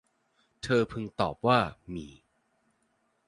เธอพึงตอบว่า มี